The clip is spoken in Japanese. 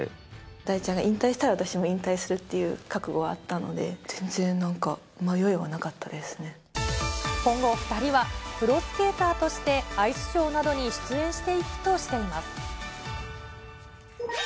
大ちゃんが引退したら、私も引退するっていう覚悟はあったので、全然なんか、迷いはなか今後、２人はプロスケーターとして、アイスショーなどに出演していくとしています。